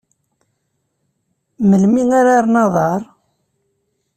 Melmi ara rren aḍar?